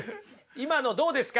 今のどうですか？